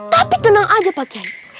tapi tenang aja pak kiai